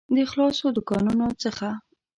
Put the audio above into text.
د خاصو دوکانونو څخه